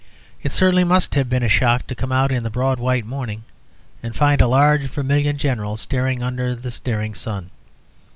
It certainly must have been a shock to come out in the broad white morning and find a large vermilion General staring under the staring sun.